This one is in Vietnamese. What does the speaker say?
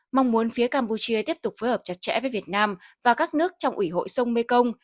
mong muốn phía campuchia tiếp tục phối hợp chặt chẽ với việt nam và các nước trong ủy hội sông mekong